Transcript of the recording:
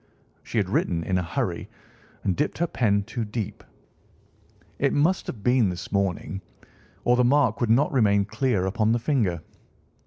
She had written in a hurry and dipped her pen too deep. It must have been this morning, or the mark would not remain clear upon the finger.